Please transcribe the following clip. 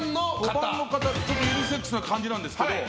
ユニセックスな感じなんですけど。